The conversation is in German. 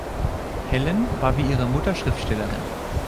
Helen war wie ihre Mutter Schriftstellerin.